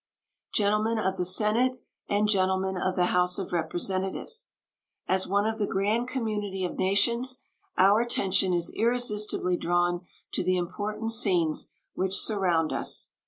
Gentlemen of the Senate and Gentlemen of the House of Representatives: As one of the grand community of nations, our attention is irresistibly drawn to the important scenes which surround us.